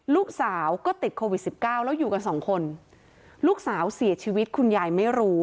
ลูกสาวก็ติดโควิดสิบเก้าแล้วอยู่กันสองคนลูกสาวเสียชีวิตคุณยายไม่รู้